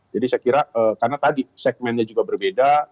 jadi saya kira karena tadi segmennya juga berbeda